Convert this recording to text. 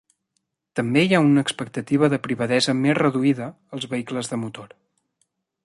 També hi ha una expectativa de privadesa més reduïda als vehicles de motor.